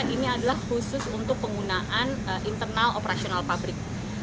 ini adalah khusus untuk penggunaan internal operasional pabrik